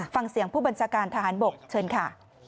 ฟังเสียงผู้บัญชาการทหารบกเชิญค่ะ